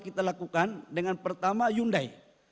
kita lakukan dengan pertama hyundai